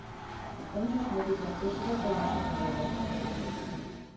Ончыч мый тидлан пешыжак ом ӱшане ыле.